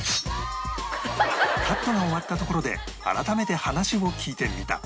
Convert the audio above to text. カットが終わったところで改めて話を聞いてみた